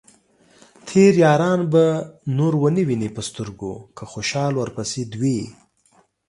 تېر ياران به نور ؤنه وينې په سترګو ، که خوشال ورپسې دوې